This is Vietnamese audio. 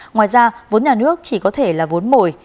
ngoài ra vốn nhà nước chỉ có thể là vốn mồi